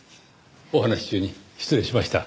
お話し中に失礼しました。